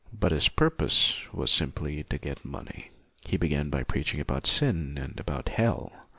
But his purpose was simply to get money. He began by preaching about sin and about hell.